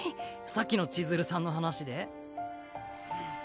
さっきの千鶴さんの話で？